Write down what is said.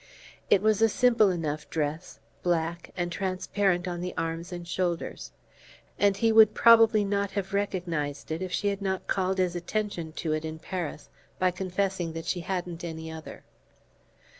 It was a simple enough dress, black, and transparent on the arms and shoulders, and he would probably not have recognized it if she had not called his attention to it in Paris by confessing that she hadn't any other.